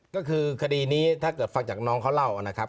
ก็คือคดีนี้ถ้าเกิดฟังจากน้องเขาเล่านะครับ